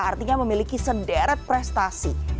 artinya memiliki sederet prestasi